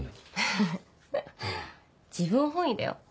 ハハハ自分本位だよ。